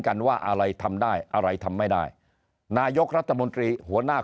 กันว่าอะไรทำได้อะไรทำไม่ได้นายกรัฐมนตรีหัวหน้า